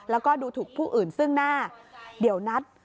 แล้วก็ดูถูกผู้อื่นซึ่งหน้าเดี๋ยวนัด